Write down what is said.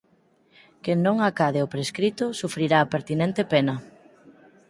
Quen non acade o prescrito, sufrirá a pertinente pena.